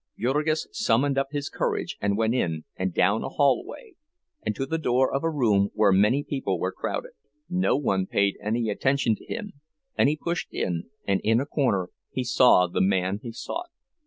Jurgis summoned up his courage and went in, and down a hallway, and to the door of a room where many people were crowded. No one paid any attention to him, and he pushed in, and in a corner he saw the man he sought.